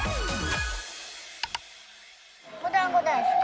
おだんご大好き。